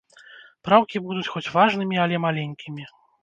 Праўкі будуць хоць важнымі, але маленькімі.